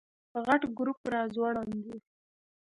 غټ ګروپ راځوړند و.